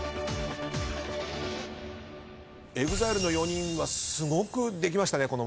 ＥＸＩＬＥの４人はすごくできましたね